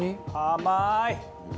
甘い！